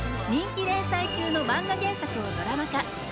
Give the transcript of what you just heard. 人気連載中のマンガ原作をドラマ化。